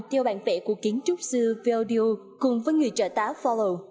theo bản vẽ của kiến trúc sư véodio cùng với người trợ tá follow